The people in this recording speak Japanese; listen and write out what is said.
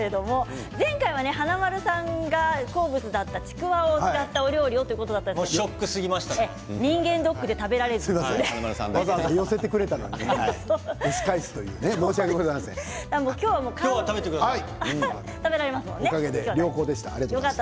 前回は華丸さんが好物だったちくわを使った料理ということだったんですが人間ドックで食べられなかった。